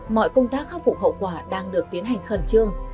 mọi công tác khắc phục hậu quả đang được tiến hành khẩn trương